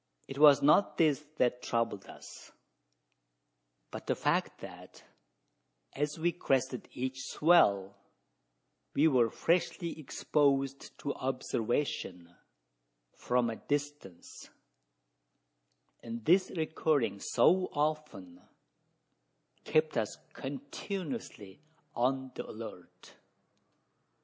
It was not this that troubled us; but the fact that, as we crested each swell, we were freshly exposed to observation from a distance; and this recurring so often, kept us continuously on the alert.